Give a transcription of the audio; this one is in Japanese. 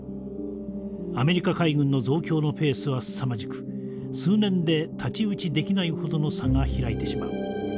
アメリカ海軍の増強のペースはすさまじく数年で太刀打ちできないほどの差が開いてしまう。